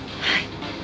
はい。